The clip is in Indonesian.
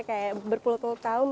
kayak berpuluh puluh tahun